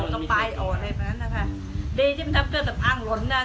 กลับมาที่สุดท้ายมีกลับมาที่สุดท้าย